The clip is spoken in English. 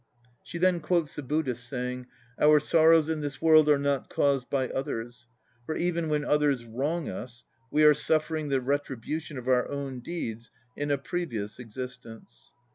(She then quotes the Buddhist saying, "Our sorrows in this world are not caused by others; for even when others wrong us we are suffering the retribution of our own deeds in a previous existence."